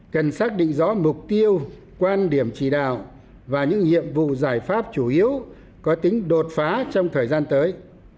cần xác định rõ mục tiêu quan điểm chỉ đạo và những nhiệm vụ giải pháp chủ yếu có tính đột phá trong thời gian tới